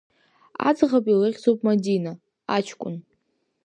Аӡӷаб илыхьӡуп Мадина, аҷкәын…